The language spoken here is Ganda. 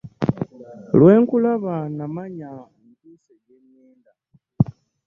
Lwe nkulaba namanya ntuuse gye ŋŋenda.